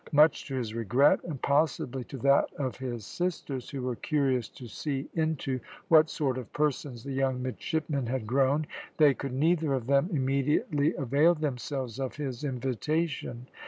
Much to his regret, and possibly to that of his sisters, who were curious to see into what sort of persons the young midshipmen had grown, they could neither of them immediately avail themselves of his invitation.